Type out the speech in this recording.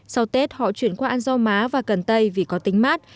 sau tết họ chuyển qua ăn do má và cần tây vì có tính mát